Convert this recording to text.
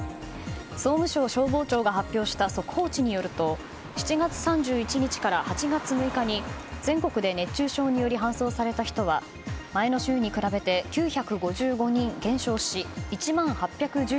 総務省消防庁が発表した速報値によると７月３１日から８月６日に全国で熱中症により搬送された人は前の週に比べて９５５人減少し１万８１０